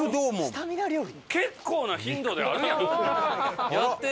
結構な頻度であるやん！